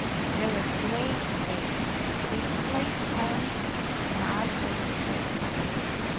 "They're a great pair! They play the hands and I take the trick."